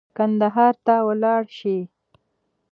کندهار ته ولاړ شي.